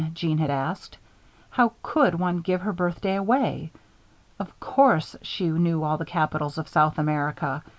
Jeanne had asked. How could one give her birthday away! Of course she knew all the capitals of South America.